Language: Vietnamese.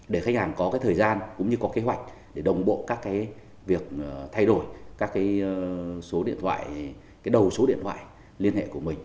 để khách hàng có thời gian cũng như có kế hoạch để đồng bộ các việc thay đổi các số điện thoại cái đầu số điện thoại liên hệ của mình